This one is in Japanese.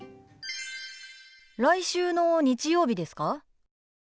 来週の日曜日ですか？